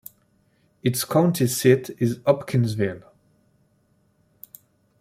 Its county seat is Hopkinsville.